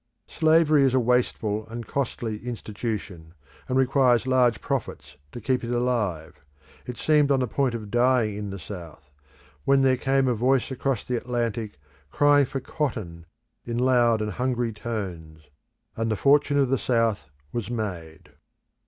Slavery is a wasteful and costly institution, and requires large profits to keep it alive; it seemed on the point of dying in the South, when there came a voice across the Atlantic crying for cotton in loud and hungry tones; and the fortune of the South was made.